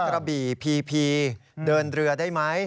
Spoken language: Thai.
กระบี่พีพีเดินเรือได้ไหม